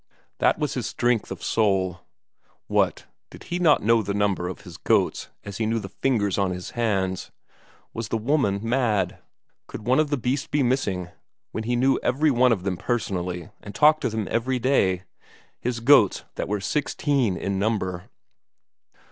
That was his strength of soul. What, did he not know the number of his goats as he knew the fingers on his hands was the woman mad? Could one of the beasts be missing, when he knew every one of them personally and talked to them every day his goats that were sixteen in number?